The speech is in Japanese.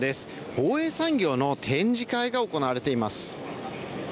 防衛産業の展示会が行われています。